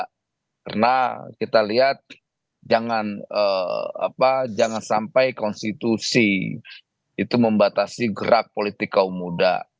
karena kita lihat jangan sampai konstitusi itu membatasi gerak politik kaum muda